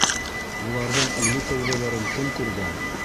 Уларҙың үле кәүҙәләрен кем күргән?